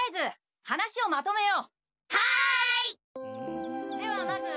はい！